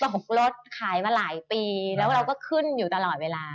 ตกรถขายมาหลายปีแล้วเราก็ขึ้นอยู่ตลอดเวลา